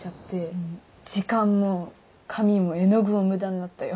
時間も紙も絵の具も無駄になったよ。